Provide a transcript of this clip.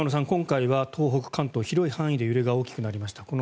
今回は東北、関東広い範囲で揺れが大きくなりました。